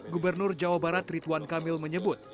gubernur jawa barat rituan kamil menyebut